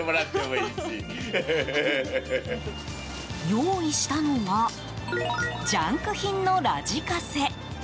用意したのはジャンク品のラジカセ。